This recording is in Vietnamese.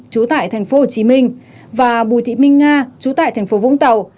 chú tại thành phố hồ chí minh và bùi thị minh nga chú tại thành phố vũng tàu